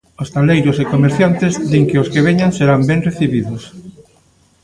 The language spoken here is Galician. Hostaleiros e comerciantes din que os que veñan serán ben recibidos.